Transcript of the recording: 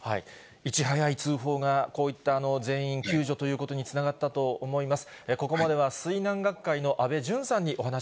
いち早い通報が、こういった全員救助ということにつながったと思います。